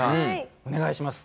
お願いします。